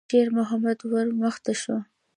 شېرمحمد ور مخته شو.